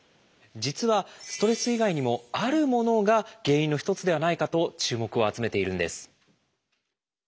実はストレス以外にもあるものが原因の一つではないかと注目を集めているんです。